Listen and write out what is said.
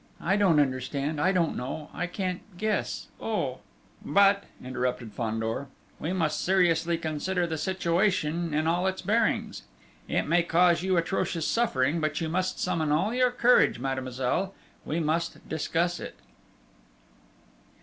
I don't understand, I don't know, I can't guess ... oh!..." "But," interrupted Fandor, "we must seriously consider the situation in all its bearings. It may cause you atrocious suffering, but you must summon all your courage, mademoiselle. We must discuss it."